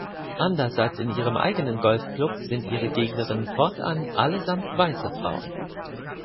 Anders als in ihrem eigenen Golfclub sind ihre Gegnerinnen fortan allesamt weiße Frauen.